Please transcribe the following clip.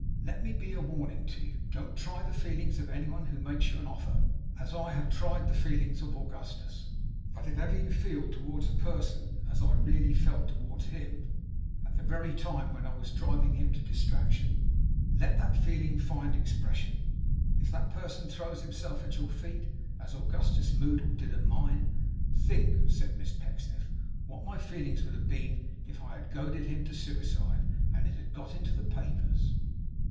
Let me be a warning to you. Don't try the feelings of any one who makes you an offer, as I have tried the feelings of Augustus; but if you ever feel towards a person as I really felt towards him, at the very time when I was driving him to distraction, let that feeling find expression, if that person throws himself at your feet, as Augustus Moddle did at mine. Think,' said Miss Pecksniff, 'what my feelings would have been, if I had goaded him to suicide, and it had got into the papers!